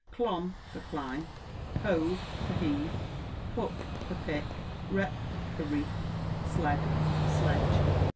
Clom for climb; hove for heave; puck for pick; rep for reap; sled for sledge.